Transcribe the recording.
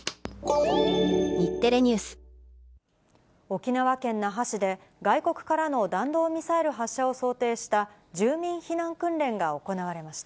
沖縄県那覇市で、外国からの弾道ミサイル発射を想定した、住民避難訓練が行われました。